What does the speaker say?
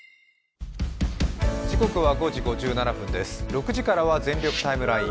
６時からは「全力タイムライン」